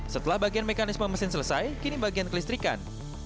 setelah bagian mekanisme mesin selesai kini bagian kelistrikan